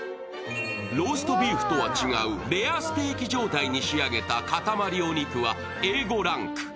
ローストビーフとは違うレアステーキ状態に仕上げた塊お肉はＡ５ランク。